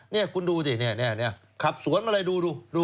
นี่คุณดูสินี่ขับสวนมาเลยดู